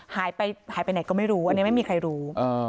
หายไปหายไปไหนก็ไม่รู้อันนี้ไม่มีใครรู้